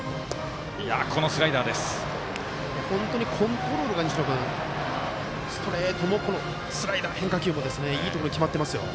本当にコントロールが西野君ストレートもスライダー、変化球もいいボール決まってますよ。